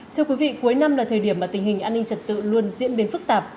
thưa quý vị cuối năm là thời điểm mà tình hình an ninh trật tự luôn diễn biến phức tạp